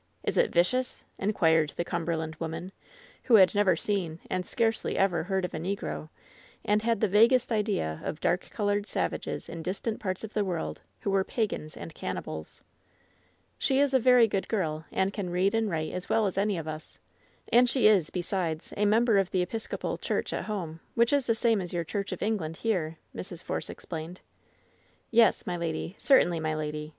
Is it vicious?" inquired the Cumberland woman, who had never seen and scarcely ever heard of a negro, and had 188 LOVE'S BITTEREST CUP the vaguest idea of dark colored savages in distant parts of the world, who were pagans and cannibals. "She is a very good girl, and can read and write as well as any of us ; and she is, besides, a member of the Episcopal church at home, which is the same as your Church of England here,'' Mrs. Force explained. "Yes, my lady. Certainly, my lady.